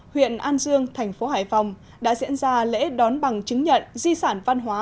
huyện an dương thành phố hải phòng đã diễn ra lễ đón bằng chứng nhận di sản văn hóa